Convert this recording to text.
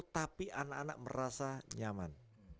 tapi anak anak merasa nyaman